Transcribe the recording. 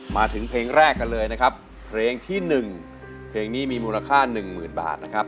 มาถึงเพลงแรกกันเลยนะครับเพลงที่๑เพลงนี้มีมูลค่าหนึ่งหมื่นบาทนะครับ